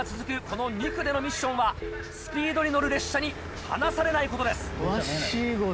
この２区でのミッションはスピードに乗る列車に離されないことです。